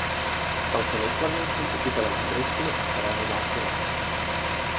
Stal se nejslavnějším učitelem hebrejštiny a starého zákona.